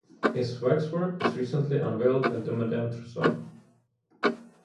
His waxwork was recently unveiled at Madame Tussauds.